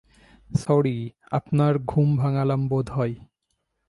Sorry, আপনার ঘুম ভাঙালাম বোধহয়।